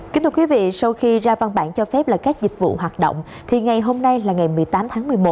kính thưa quý vị sau khi ra văn bản cho phép là các dịch vụ hoạt động thì ngày hôm nay là ngày một mươi tám tháng một mươi một